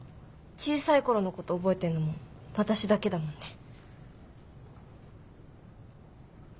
小さい頃のこと覚えてんのも私だけだもんね。